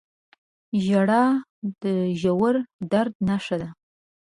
• ژړا د ژور درد نښه ده.